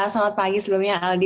selamat pagi sebelumnya aldi